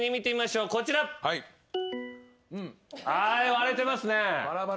割れてますね。